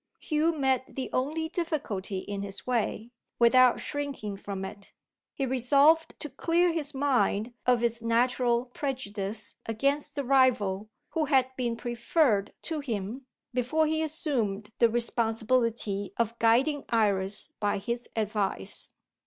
Hugh met the only difficulty in his way, without shrinking from it. He resolved to clear his mind of its natural prejudice against the rival who had been preferred to him, before he assumed the responsibility of guiding Iris by his advice.